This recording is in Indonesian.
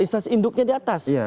instansi induknya di atas